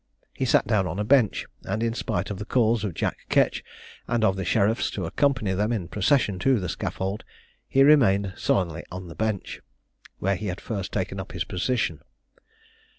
He sat down on a bench, and in spite of the calls of Jack Ketch, and of the sheriffs to accompany them in procession to the scaffold, he remained sullenly on the bench, where he had first taken up his position.